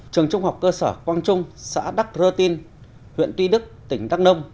trường trung học cơ sở quang trung xã đắc rơ tin huyện tuy đức tỉnh đắk nông